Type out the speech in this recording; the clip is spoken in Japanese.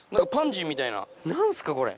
何すかこれ。